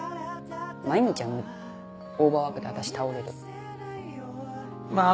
毎日は無理オーバーワークで私倒れる。